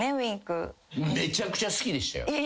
めちゃくちゃ好きでしたよ。